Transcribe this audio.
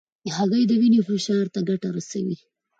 هګۍ د وینې فشار ته ګټه رسوي.